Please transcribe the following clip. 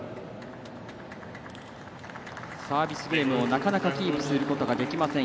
サービスゲームをなかなかキープすることができません。